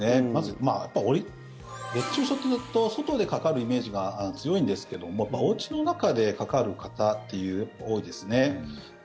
熱中症というと外でかかるイメージが強いんですけどおうちの中でかかる方多いですね。